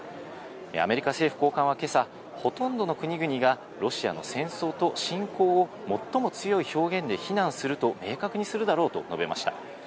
アメリカ政府高官は今朝、ほとんどの国々がロシアの戦争と侵攻を最も強い表現で非難すると明確にするだろうと述べました。